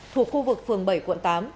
thuộc khu vực phường bảy quận tám